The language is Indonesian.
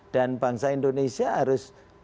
dan bangsa indonesia harus